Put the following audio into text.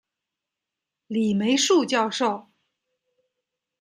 李梅树教授